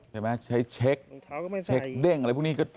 ใช่ไหมใช้เช็คเด้งอะไรพวกนี้